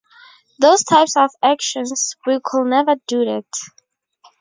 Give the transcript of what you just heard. Those types of actions, we could never do that.